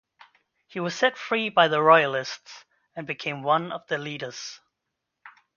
He was set free by the Royalists and became one of their leaders.